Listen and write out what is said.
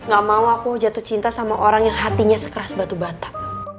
gak mau aku jatuh cinta sama orang yang hatinya sekeras batu batak